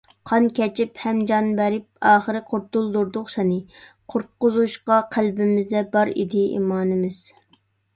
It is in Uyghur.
ﻗﺎﻥ كەچىپ ﮪﻪﻡ ﺟﺎﻥ بەرﯨﭗ، ﺋﺎﺧﯩﺮ ﻗﯘرﺗﯘﻟﺪﯗﺭﺩﯗﻕ سەنى، ﻗﯘرﺗﻘﯘﺯﯗﺷﻘﺎ ﻗﻪﻟﺒﯩﻤﯩﺰﺩﻩ ﺑﺎﺭ ﺋﯩﺪﻯ ﺋﯩﻤﺎﻧﯩﻤﯩﺰ.